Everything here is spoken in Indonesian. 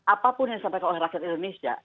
apapun yang disampaikan oleh rakyat indonesia